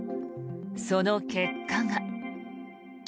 その結果が。